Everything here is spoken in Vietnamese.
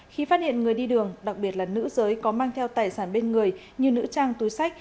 khi phát hiện người đi đường đặc biệt là nữ giới có mang theo tài sản bên người như nữ trang túi sách